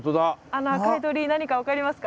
あの赤い鳥居何か分かりますか？